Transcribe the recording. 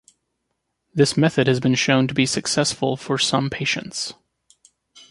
This method has been shown to be successful for some patients.